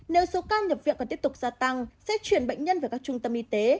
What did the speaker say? nếu số ca nhập viện còn tiếp tục gia tăng sẽ chuyển bệnh nhân về các trung tâm y tế